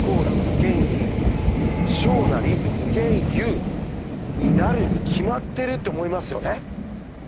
つまりになるに決まってるって思いますよね？